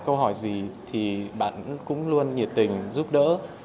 câu hỏi gì thì bạn cũng luôn nhiệt tình giúp đỡ